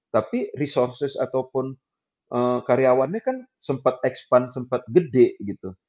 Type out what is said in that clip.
tapi resources ataupun karyawannya kan sempat expand sempat gede gitu